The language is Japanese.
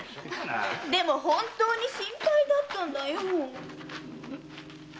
でも本当に心配だったんだよ。